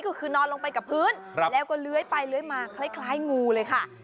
ก็คือนอนลงไปกับพื้นแล้วก็เลื้อยไปเลื้อยมาคล้ายงูเลยค่ะ